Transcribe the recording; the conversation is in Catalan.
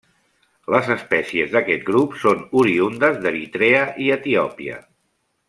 Les espècies d'aquest grup són oriündes d'Eritrea i Etiòpia.